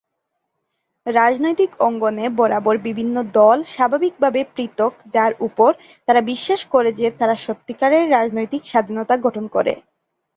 রাজনৈতিক অঙ্গনে বরাবর বিভিন্ন দল স্বাভাবিকভাবে পৃথক যার উপর তারা বিশ্বাস করে যে তারা সত্যিকারের রাজনৈতিক স্বাধীনতা গঠন করে।